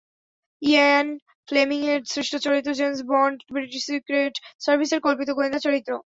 ইয়ান ফ্লেমিংয়ের সৃষ্ট চরিত্র জেমস বন্ড ব্রিটিশ সিক্রেট সার্ভিসের কল্পিত গোয়েন্দা চরিত্র।